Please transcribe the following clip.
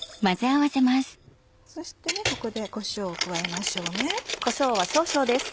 そしてここでこしょうを加えましょう。